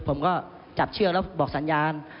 ผมก็จับเชือกแล้วบอกสัญญาณ